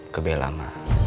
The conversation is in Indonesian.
ke bella ma